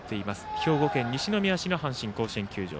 兵庫県西宮市の阪神甲子園球場。